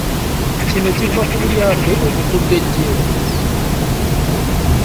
Kino kiva ku bulyake obukudde ejjembe.